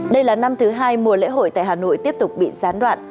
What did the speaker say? đây là năm thứ hai mùa lễ hội tại hà nội tiếp tục bị gián đoạn